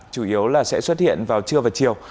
chủ yếu là sẽ xuất hiện vào trưa và chiều